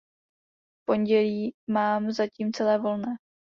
Pondělí mám zatím celé volné.